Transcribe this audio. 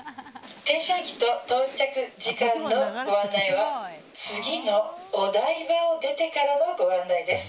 停車駅と到着時間のご案内は次のお台場を出てからのご案内です。